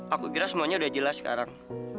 aku kira semuanya udah jelas sekarang